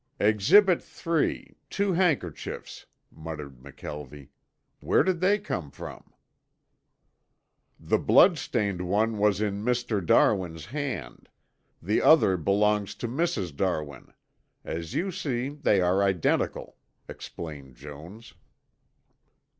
"Exhibit three two handkerchiefs," muttered McKelvie. "Where did they come from?" "The blood stained one was in Mr. Darwin's hand. The other belongs to Mrs. Darwin. As you see, they are identical," explained Jones.